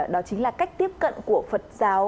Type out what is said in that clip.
đó chính là cách tiếp cận của phật giáo